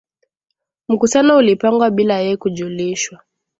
Mkutano ulipangwa bila yeye kujulishwa